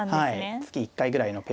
月１回ぐらいのペースで。